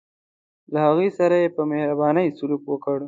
له هغوی سره یې په مهربانۍ سلوک وکړ.